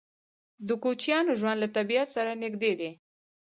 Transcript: د کوچیانو ژوند له طبیعت سره نږدې دی.